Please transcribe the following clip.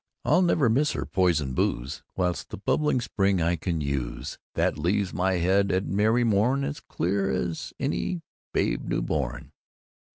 I'll never miss their poison booze, whilst I the bubbling spring can use, that leaves my head at merry morn as clear as any babe new born!